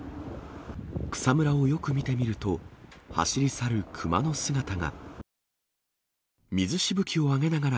草むらをよく見てみると、走り去るクマの姿が。